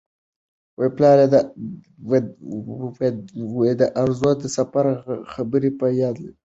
پلار یې د ارزو د سفر خبرې په یاد لرلې.